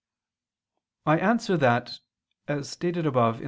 I answer that, As stated above (A.